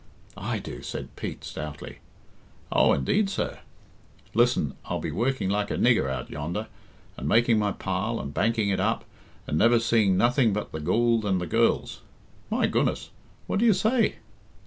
"I do," said Pete stoutly. "Oh, indeed, sir." "Listen. I'll be working like a nigger out yonder, and making my pile, and banking it up, and never seeing nothing but the goold and the girls " "My goodness! What do you say?"